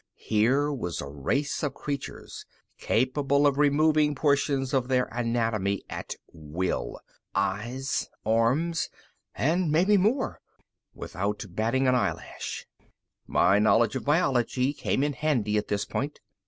Here was a race of creatures capable of removing portions of their anatomy at will. Eyes, arms and maybe more. Without batting an eyelash. My knowledge of biology came in handy, at this point.